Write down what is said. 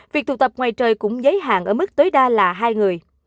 việc tụ tập ngoài trời cũng giới hạn ở mức tối đa là hai người